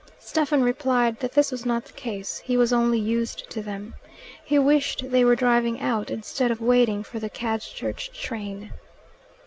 Stephen replied that this was not the case: he was only used to them. He wished they were driving out, instead of waiting for the Cadchurch train.